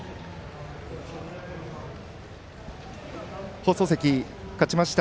放送席、勝ちました